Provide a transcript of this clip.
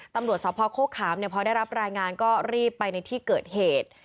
ตำรวจสภโฆขามพอได้รับรายงานก็รีบไปในที่เกิดเหตุ